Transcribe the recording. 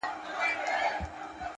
هره ورځ د نوې بدلون پیل کېدای شي!.